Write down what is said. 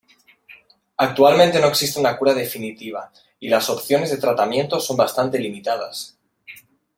Actualmente no existe una cura definitiva y las opciones de tratamiento son bastante limitadas.